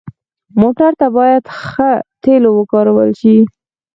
موټر ته باید ښه تیلو وکارول شي.